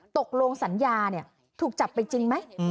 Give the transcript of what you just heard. ตกลงสัญญาถูกจับไปจริงไหม